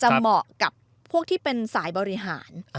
เหมาะกับพวกที่เป็นสายบริหาร